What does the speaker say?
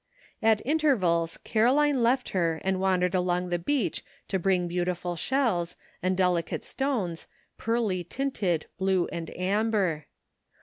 At intervals Caroline left her and wandered along the beach to bring beautiful shells, and delicate stones, pearly tinted, blue and amber.